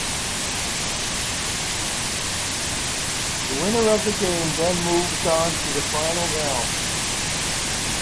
The winner of the game then moves on to the final round.